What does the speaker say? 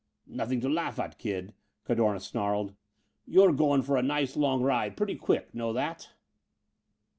"Nothing to laugh at, kid!" Cadorna snarled. "You're goin' for a nice long ride pretty quick. Know that?"